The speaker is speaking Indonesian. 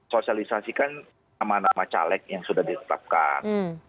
sosialisasikan nama nama caleg yang sudah ditetapkan